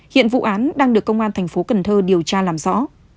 hiện vụ án đang được công an thành phố cần thơ điều tra làm rõ